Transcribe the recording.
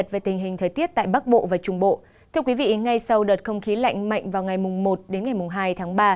thưa quý vị ngay sau đợt không khí lạnh mạnh vào ngày một đến ngày hai tháng ba